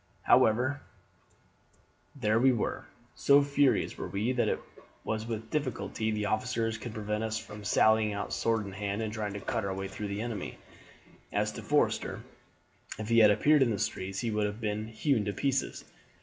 "However, there we were. So furious were we that it was with difficulty the officers could prevent us from sallying out sword in hand and trying to cut our way through the enemy. As to Forster, if he had appeared in the streets he would have been hewn to pieces.